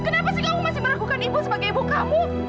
kenapa sih kamu masih melakukan ibu sebagai ibu kamu